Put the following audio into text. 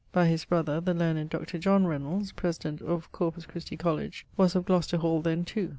] by his brother the learned Dr. Reynolds, President of Corpus Xti Colledge, was of Glocester Hall then too.